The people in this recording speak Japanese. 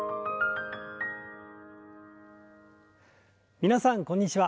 皆さんこんにちは。